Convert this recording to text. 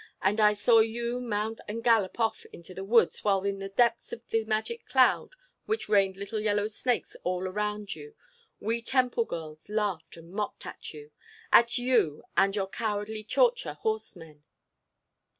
And I saw you mount and gallop off into the woods while in the depths of the magic cloud which rained little yellow snakes all around you, we temple girls laughed and mocked at you—at you and your cowardly Tchortcha horsemen."